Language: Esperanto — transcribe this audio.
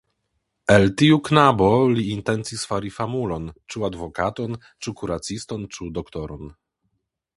El tiu knabo li intencis fari famulon, ĉu advokaton, ĉu kuraciston, ĉu doktoron.